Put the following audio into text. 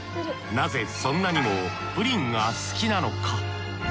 なぜそんなにもプリンが好きなのか？